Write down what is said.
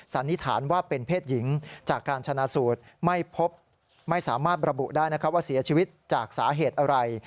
สันนิษฐานว่าเป็นเพศหญิงจากการชนะสูตรไม่พบไม่สามารถระบุได้นะครับว่าเสียชีวิตจากสาเหตุอะไร